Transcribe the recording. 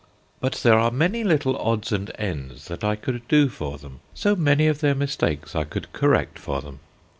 But there are many little odds and ends that I could do for them, so many of their mistakes I could correct for them.